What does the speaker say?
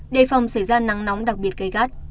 đề phòng xảy ra nắng nóng đặc biệt gây gắt